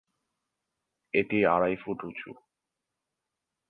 এটি আড়াই ফুট উচু।